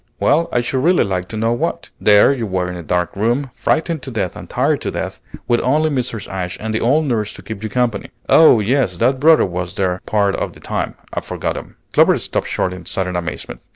"Well, I should really like to know what. There you were in a dark room, frightened to death and tired to death, with only Mrs. Ashe and the old nurse to keep you company Oh, yes, that brother was there part of the time; I forgot him " Clover stopped short in sudden amazement.